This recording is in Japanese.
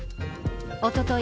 おととい